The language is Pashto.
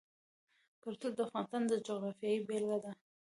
کلتور د افغانستان د جغرافیې بېلګه ده.